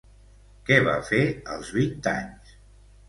Què va fer als vint anys?